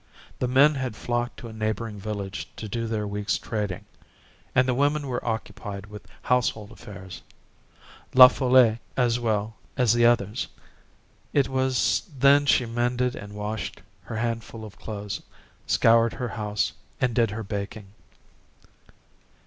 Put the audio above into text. The men had flocked to a neighboring village to do their week's trading, and the women were occupied with household affairs,—La Folle as well as the others. It was then she mended and washed her handful of clothes, scoured her house, and did her baking.